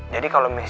jadi kalau misalnya